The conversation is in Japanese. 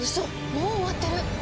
もう終わってる！